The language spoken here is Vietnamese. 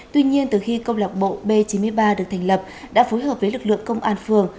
tuy nhiên từ khi công lạc bộ b chín mươi ba được thành lập đã phối hợp với lực lượng công an phường